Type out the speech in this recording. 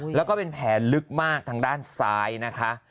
แล้วก็เป็นแผลลึกมากทางด้านซ้ายนะคะ